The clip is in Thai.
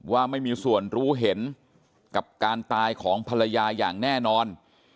ว่าไม่มีส่วนรู้เห็นกับการตายของภรรยาอย่างแน่นอน